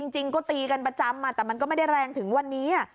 จริงก็ตีกันประจำแต่มันก็ไม่ได้แรงถึงวันนี้